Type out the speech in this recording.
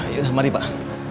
yaudah mari pak